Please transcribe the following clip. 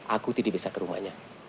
aku tidak bisa ke rumahnya